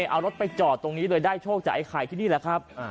เอารถไปจอดตรงนี้เลยได้โชคจากไอ้ไข่ที่นี่แหละครับ